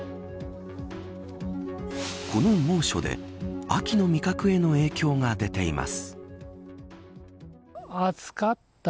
この猛暑で秋の味覚への影響が出ています。